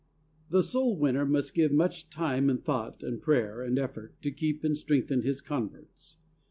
The soul winner must give much time and thought and prayer and effort to keep and strengthen his converts.